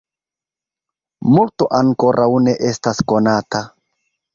Multo ankoraŭ ne estas konata.